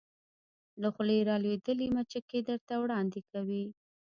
له خولې را لویدلې مچکې درته وړاندې کوې